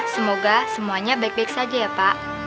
semoga semuanya baik baik saja ya pak